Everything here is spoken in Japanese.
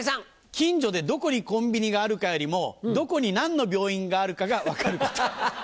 近所でどこにコンビニがあるかよりもどこに何の病院があるかが分かること。